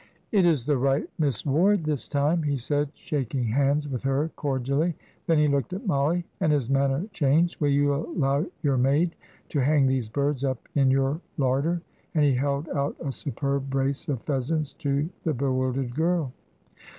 "It is the right Miss Ward this time," he said, shaking hands with her cordially. Then he looked at Mollie, and his manner changed. "Will you allow your maid to hang these birds up in your larder?" and he held out a superb brace of pheasants to the bewildered girl.